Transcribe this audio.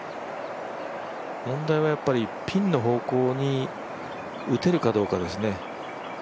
問題はピンの方向に打てるかどうかですね。